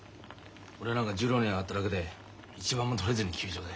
俺なんか十両に上がっただけで一番も取れずに休場で。